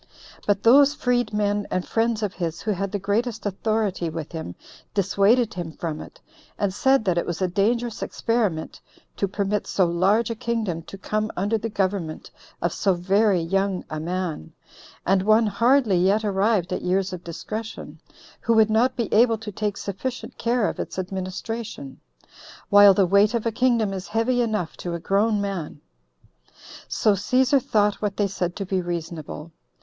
But those freed men and friends of his, who had the greatest authority with him, dissuaded him from it, and said that it was a dangerous experiment to permit so large a kingdom to come under the government of so very young a man, and one hardly yet arrived at years of discretion, who would not be able to take sufficient care of its administration; while the weight of a kingdom is heavy enough to a grown man. So Cæsar thought what they said to be reasonable.